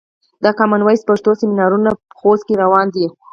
د کامن وایس پښتو سمینارونه خوست کې روان دي.